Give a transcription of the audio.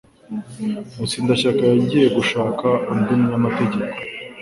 Mutsindashyaka yagiye gushaka undi munyamategeko